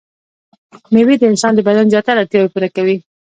مېوې د انسان د بدن زياتره اړتياوې پوره کوي.